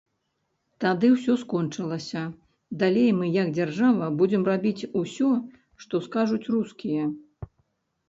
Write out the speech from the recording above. Тады ўсё скончылася, далей мы як дзяржава будзем рабіць усё, што скажуць рускія.